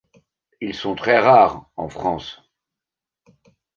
Ils sont très rares en france.